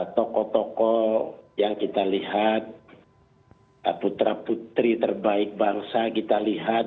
tokoh tokoh yang kita lihat putra putri terbaik bangsa kita lihat